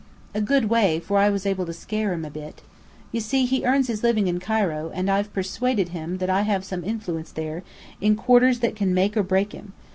"A good way, for I was able to scare him a bit. You see, he earns his living in Cairo, and I've persuaded him that I have some influence there, in quarters that can make or break him.